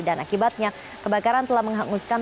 dan akibatnya kebakaran telah menghanguskan